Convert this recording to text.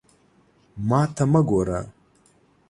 ما ته مه ګوره!